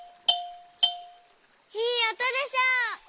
いいおとでしょ！